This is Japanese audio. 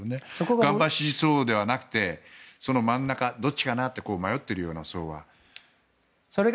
岩盤支持層ではなくてその真ん中、どっちかなって迷っているそうは。